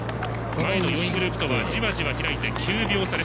前の４位グループとはじわじわ開いて９秒差です。